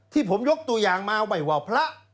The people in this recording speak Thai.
ที่ผมยกตัวอย่างมาไม่ว่าพระ